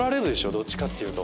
どっちかっていうと。